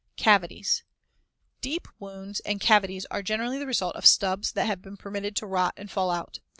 ] Cavities: Deep wounds and cavities are generally the result of stubs that have been permitted to rot and fall out.